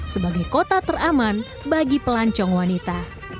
sebagai kota teraman bagi pelancong wanita